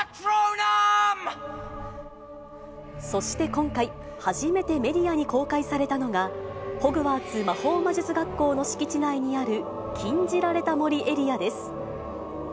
そして今回、初めてメディアに公開されたのが、ホグワーツ魔法魔術学校の敷地内にある禁じられた森エリアです。